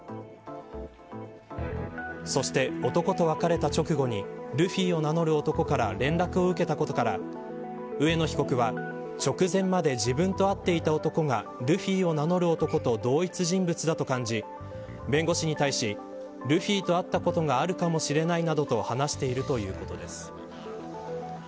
そして、男と別れた直後にルフィを名乗る男から連絡を受けたことから上野被告は直前まで自分と会っていた男がルフィを名乗る男と同一人物だと感じ弁護士に対しルフィと会ったことがあるかもしれないなどと話しているということです。